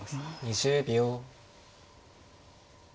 ２０秒。